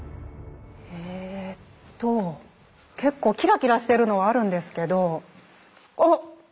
えっと結構キラキラしてるのはあるんですけどあ！